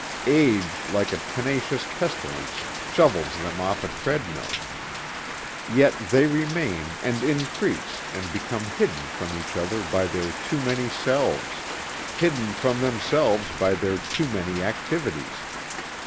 Age like a tenacious pestilence shovels them off a treadmill. Yet they remain and increase and become hidden from each other by their too many selves, hidden from themselves by their too many activities.